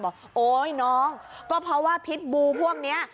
โอ๊ยน้องก็เพราะว่าพิษบูพวกนี้